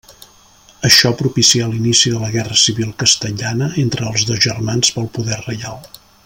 Això propicià l'inici de la Guerra Civil castellana entre els dos germans pel poder reial.